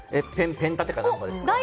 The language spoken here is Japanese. ペン立てか何かですか？